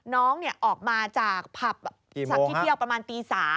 น้องออกมาจากผับสักที่เที่ยวประมาณตี๓